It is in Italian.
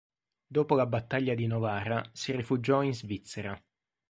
Dopo la battaglia di Novara si rifugiò in Svizzera.